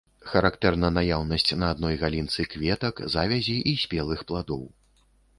Характэрна наяўнасць на адной галінцы кветак, завязі і спелых пладоў.